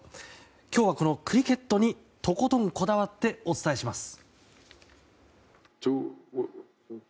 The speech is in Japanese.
今日は、このクリケットにとことんこだわってお伝えします。